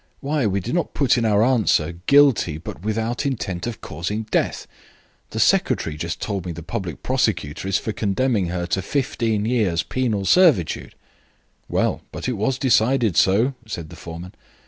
"Why, we did not put in our answer 'Guilty, but without intent of causing death.' The secretary just told me the public prosecutor is for condemning her to 15 years' penal servitude." "Well, but it was decided so," said the foreman.